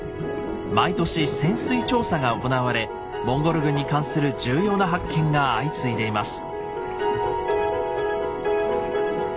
毎年潜水調査が行われモンゴル軍に関する重要な発見が相次いでいます。